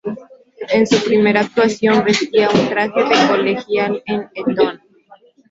En su primera actuación vestía un traje de colegial de Eton.